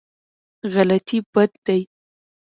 غلطي بد دی.